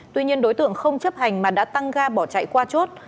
tuy nhiên đối tượng không chấp hành mà đã tăng ga bỏ chạy qua chốt